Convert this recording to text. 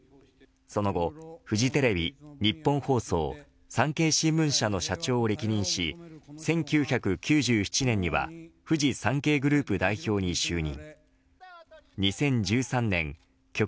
その後、フジテレビニッポン放送産経新聞社の社長を歴任し１９９７年にはフジサンケイグループ代表に就任。